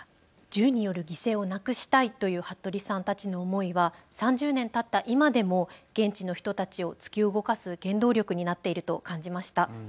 銃による犠牲をなくしたいという服部さんたちの思いは３０年たった今でも現地の人たちを突き動かす原動力になっていると感じました。